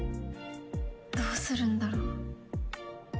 どうするんだろう。